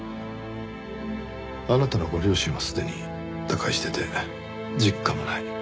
あなたのご両親はすでに他界してて実家もない。